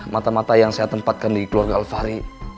mata mata yang saya tempatkan di keluarga alfari